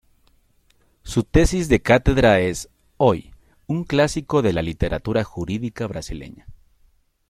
Su tesis de cátedra es, hoy, un clásico de la literatura jurídica brasileña.